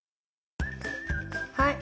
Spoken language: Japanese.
はい！